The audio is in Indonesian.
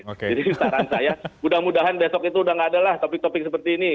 jadi saran saya mudah mudahan besok itu sudah tidak ada lah topik topik seperti ini